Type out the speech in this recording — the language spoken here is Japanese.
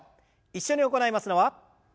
一緒に行いますのは。